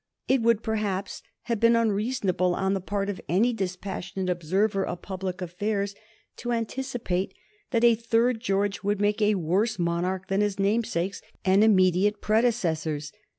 It would, perhaps, have been unreasonable on the part of any dispassionate observer of public affairs to anticipate that a third George would make a worse monarch than his namesakes and immediate predecessors.